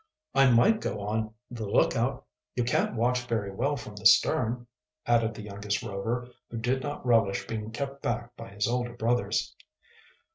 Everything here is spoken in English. "I might go on the lookout. You can't watch very well from the stern," added the youngest Rover, who did not relish being kept back by his older brothers.